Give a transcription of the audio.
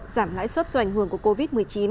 giảm lãi suất do ảnh hưởng của covid một mươi chín